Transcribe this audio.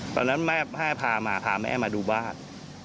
ตอนนั้นแม่พามาพาแม่มาดูบ้าน